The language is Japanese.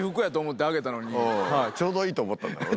ちょうどいいと思ったんだろうね。